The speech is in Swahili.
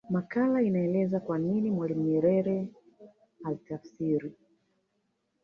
makala inaeleza kwa nini Mwalimu Nyerere alitafsiri